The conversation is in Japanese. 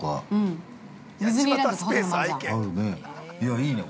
いいね。